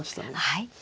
はい。